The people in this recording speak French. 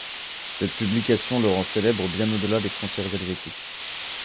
Cette publication le rend célèbre bien au-delà des frontières helvétiques.